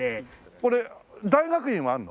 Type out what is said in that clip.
これ大学院はあるの？